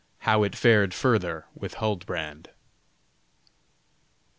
HOW IT FARED FURTHER WITH HULDBRAND.